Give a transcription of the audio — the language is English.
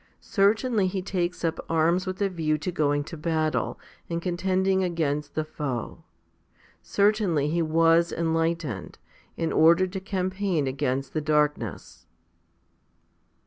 Certainly he takes up arms with a view to going to battle and contending against the foe ; certainly he was enlightened, in order to campaign against the darkness.